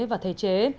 và thể chế